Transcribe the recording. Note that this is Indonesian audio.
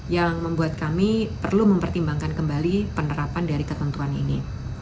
yang membuat kami perlu mempertimbangkan kembali penerapan dari ketentuan ini